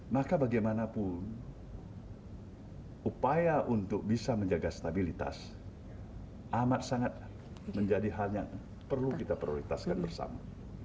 maka bagaimanapun upaya untuk bisa menjaga stabilitas amat sangat menjadi hal yang perlu kita prioritaskan bersama